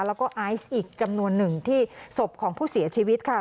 แล้วก็ไอซ์อีกจำนวนหนึ่งที่ศพของผู้เสียชีวิตค่ะ